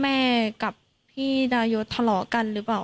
แม่กับพี่ด้ายฤทรรอกันหรือเปล่า